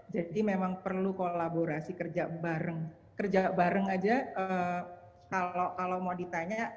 jadi memang perlu kolaborasi kerja bareng kerja bareng aja kalau mau ditanya